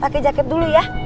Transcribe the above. pake jaket dulu ya